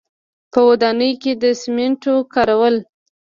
په ودانیو کې د سیمنټو کارول.